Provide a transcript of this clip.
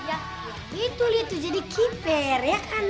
ya itu lihat tuh jadi keeper ya kan